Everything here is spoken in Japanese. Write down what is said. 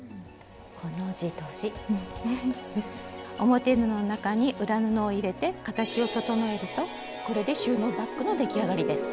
表布の中に裏布を入れて形を整えるとこれで収納バッグの出来上がりです。